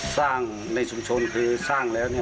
ในชุมชนคือสร้างแล้ว